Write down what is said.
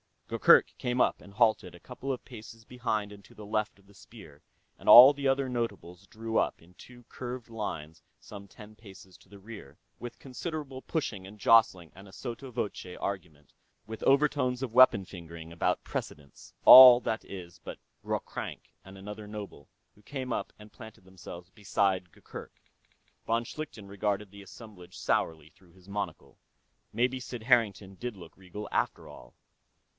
Gurgurk came up and halted a couple of paces behind and to the left of the spear, and all the other nobles drew up in two curved lines some ten paces to the rear, with considerable pushing and jostling and a sotto voce argument, with overtones of weapon fingering, about precedence. All, that is, but Ghroghrank and another noble, who came up and planted themselves beside Gurgurk. Von Schlichten regarded the assemblage sourly through his monocle. Maybe Sid Harrington did look regal, after all.